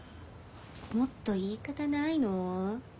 もっと言い方ないの？